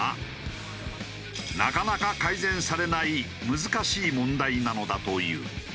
なかなか改善されない難しい問題なのだという。